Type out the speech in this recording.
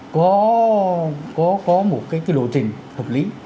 có một cái lộ trình thực lý